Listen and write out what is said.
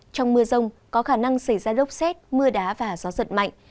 trong mưa rông có khả năng xảy ra lốc xét mưa đá và gió giật mạnh